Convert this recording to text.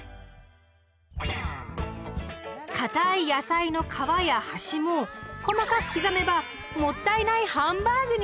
かたい野菜の皮や端も細かく刻めば「もったいないハンバーグ」に！